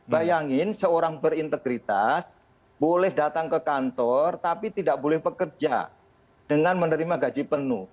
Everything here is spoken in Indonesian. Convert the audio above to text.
bayangin seorang berintegritas boleh datang ke kantor tapi tidak boleh bekerja dengan menerima gaji penuh